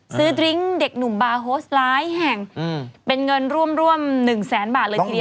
ดริ้งเด็กหนุ่มบาร์โฮสหลายแห่งเป็นเงินร่วม๑แสนบาทเลยทีเดียว